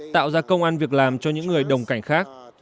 tạo ra công an việc làm cho những người đồng cảnh khác